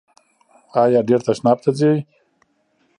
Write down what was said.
ایا ډیر تشناب ته ځئ؟